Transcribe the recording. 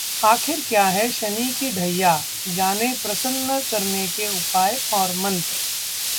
आखिर क्या है शनि की ढैया, जानें प्रसन्न करने के उपाय और मंत्र